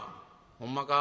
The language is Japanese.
「ほんまか。